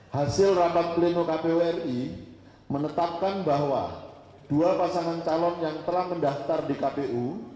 hasil rapat pleno kpu ri menetapkan bahwa dua pasangan calon yang telah mendaftar di kpu